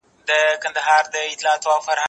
زه به سبا زدکړه وکړم!.